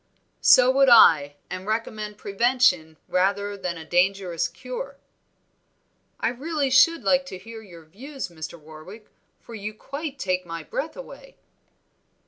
"So would I, and recommend prevention rather than a dangerous cure." "I really should like to hear your views, Mr. Warwick, for you quite take my breath away."